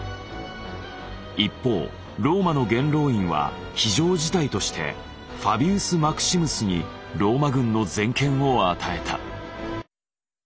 一方ローマの元老院は非常事態としてファビウス・マクシムスにローマ軍の全権を与えた。